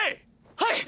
はい！！